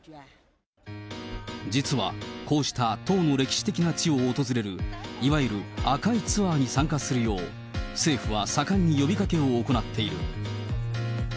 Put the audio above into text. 実はこうした党の歴史的な地を訪れるいわゆる紅いツアーに参加するよう、政府は盛んに呼びかけを行っている。